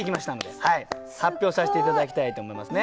すごい！発表させて頂きたいと思いますね。